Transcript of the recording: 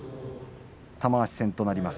玉鷲戦となります。